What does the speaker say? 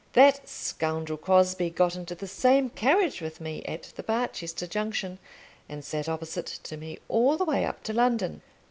That scoundrel Crosbie got into the same carriage with me at the Barchester Junction, and sat opposite to me all the way up to London.